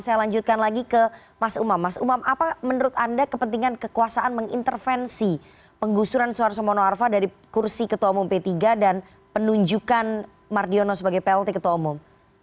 saya lanjutkan lagi ke mas umam mas umam apa menurut anda kepentingan kekuasaan mengintervensi penggusuran suarso mono arfa dari kursi ketua umum p tiga dan penunjukan mardiono sebagai plt ketua umum